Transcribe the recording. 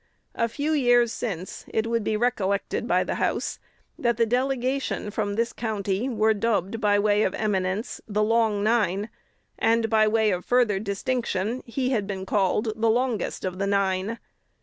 A few years since, it would be recollected by the House, that the delegation from this county were dubbed by way of eminence 'The Long Nine,' and, by way of further distinction, he had been called 'The Longest of the Nine.'